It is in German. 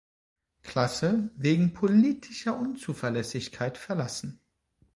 Klasse wegen "„politischer Unzuverlässigkeit“" verlassen.